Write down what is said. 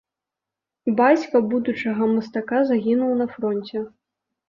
Бацька будучага мастака загінуў на фронце.